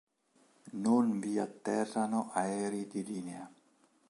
Non vi atterrano aerei di linea.